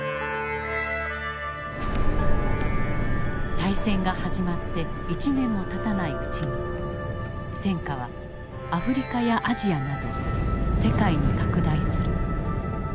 大戦が始まって１年もたたないうちに戦火はアフリカやアジアなど世界に拡大する。